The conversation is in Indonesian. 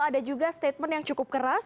ada juga statement yang cukup keras